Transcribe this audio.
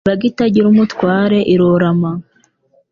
Imbaga itagira umutware irorama